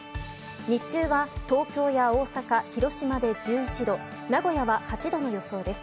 日中は東京や大阪、広島で１１度、名古屋は８度の予想です。